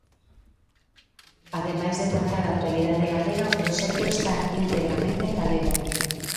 Ademais de tratar a actualidade galega, o proxecto está integramente en galego.